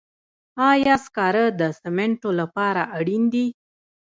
آیا سکاره د سمنټو لپاره اړین دي؟